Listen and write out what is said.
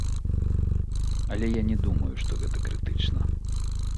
Але я не думаю, што гэта крытычна.